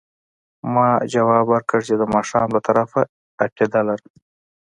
ما ځواب ورکړ چې د ماښام له طرفه عقیده لرم.